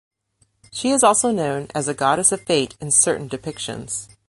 She is also known as the goddess of fate in certain depictions.